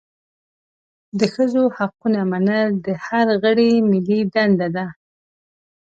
د ښځو حقونه منل د هر غړي ملي دنده ده.